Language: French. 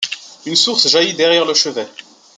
Une source jaillit derrière le chevet.